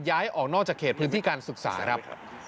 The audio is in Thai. ย้ายออกนอกจากเขตพื้นที่การศึกษาครับ